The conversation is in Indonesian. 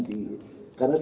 jadi itu pasti diganti